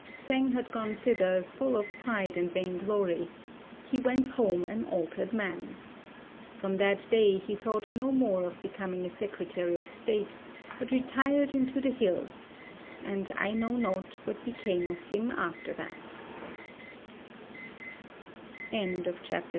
Tsêng had gone thither full of pride and vainglory; he went home an altered man. From that day he thought no more of becoming a Secretary of State, but retired into the hills, and I know not what became of him after that.